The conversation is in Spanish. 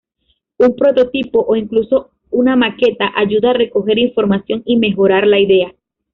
Un prototipo, o incluso una maqueta, ayuda a recoger información y mejorar la idea.